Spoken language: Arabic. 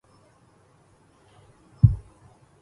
لا أحب الوداع من أجل كونى